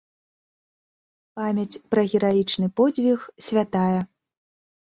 Памяць пра гераічны подзвіг святая.